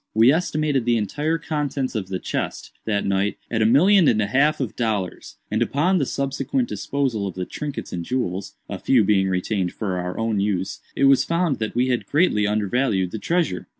We estimated the entire contents of the chest, that night, at a million and a half of dollars; and upon the subsequent disposal of the trinkets and jewels (a few being retained for our own use), it was found that we had greatly undervalued the treasure.